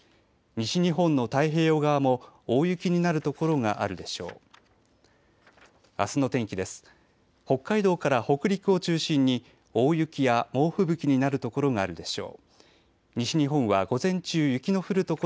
西日本の太平洋側も大雪になる所があるでしょう。